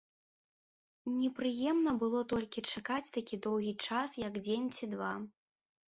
Непрыемна было толькі чакаць такі доўгі час, як дзень ці два.